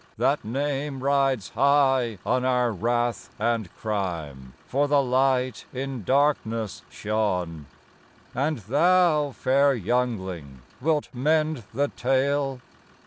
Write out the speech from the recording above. " That name rides high on our wrath and crime, For the Light in darkness shone. " And thou, fair youngling, wilt mend the tale?